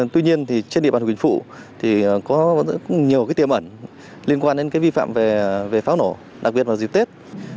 tuy nhiên trên địa bàn quỳnh phụ có nhiều tiềm ẩn liên quan đến vi phạm về pháo nổ đặc biệt vào dịp tết